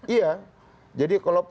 iya jadi kalau